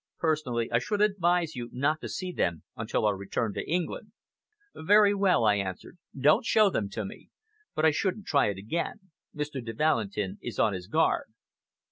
Personally, I should advise you not to see them until our return to England." "Very well," I answered. "Don't show them to me. But I shouldn't try it again. Mr. de Valentin is on his guard."